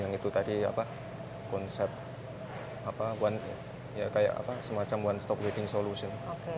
yang itu tadi apa konsep semacam one stop wedding solution